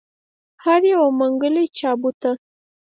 هو يره منګلی چا بوته.